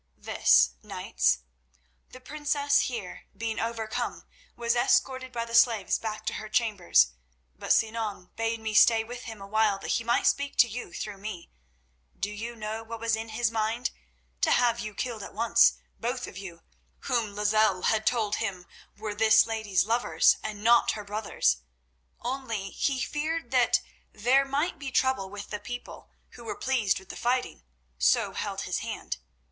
"This, knights. The princess here, being overcome, was escorted by the slaves back to her chambers, but Sinan bade me stay with him awhile that he might speak to you through me. Do you know what was in his mind? To have you killed at once, both of you, whom Lozelle had told him were this lady's lovers, and not her brothers. Only he feared that there might be trouble with the people, who were pleased with the fighting, so held his hand.